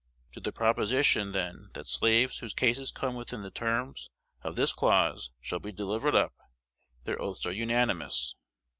To the proposition, then, that slaves whose cases come within the terms of this clause "shall be delivered up," their oaths are unanimous.